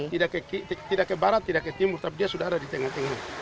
tidak ke barat tidak ke timur tapi dia sudah ada di tengah tengah